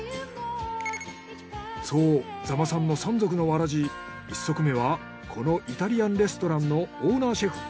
そう座間さんの三足のわらじ一足目はこのイタリアンレストランのオーナーシェフ。